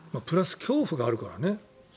プラス恐怖があるからね。